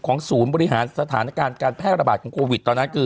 ศูนย์บริหารสถานการณ์การแพร่ระบาดของโควิดตอนนั้นคือ